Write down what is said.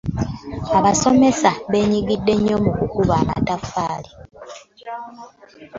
Abasomesa bennyigidde nyo mu kukuba amatafaali.